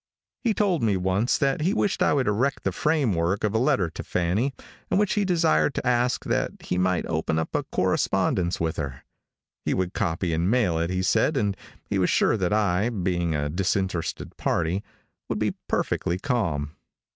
He told me once that he wished I would erect the frame work of a letter to Fanny, in which he desired to ask that he might open up a correspondence with her. He would copy and mail it, he said, and he was sure that I, being a disinterested party, would be perfectly calm.